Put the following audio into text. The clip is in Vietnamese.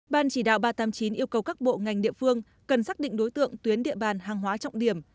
ban chỉ đạo ba trăm tám mươi chín yêu cầu các bộ ngành địa phương cần xác định đối tượng tuyến địa bàn hàng hóa trọng điểm